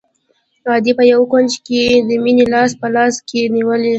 ادې په يوه کونج کښې د مينې لاس په لاس کښې نيولى.